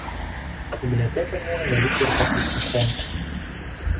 Бібліятэка мела вялікі рукапісны фонд.